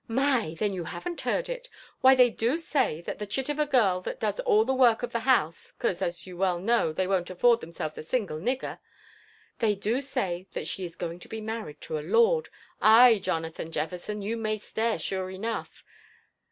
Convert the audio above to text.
*• My !— Then you haven't heard it ! Why they do say (hat the chit or a girl that does all the work of the house, 'cause, as you well know, they won't afford (hemselves a single nigger, — they do say tiiat she is going (o be married to a lord— ay, Jonathan Jefferson, you may stare sure enough!